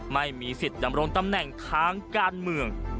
ไม่มีสิทธิ์ดำรงตำแหน่งทางการเมือง